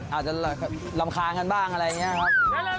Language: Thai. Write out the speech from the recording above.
อาจจะรำคาญกันบ้างอะไรอย่างนี้ครับ